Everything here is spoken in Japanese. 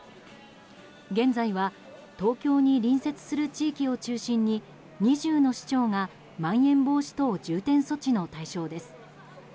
現在は東京に隣接する地域を中心に２０の市町がまん延防止等重点措置の対象です。